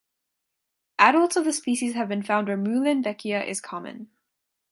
Adults of the species have been found where "Muehlenbeckia" is common.